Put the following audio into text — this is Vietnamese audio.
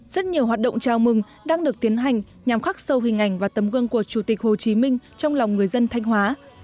rất nhiều hoạt động chào mừng đang được tiến hành nhằm khắc sâu hình ảnh và tấm gương của chủ tịch hồ chí minh trong lòng người dân thanh hóa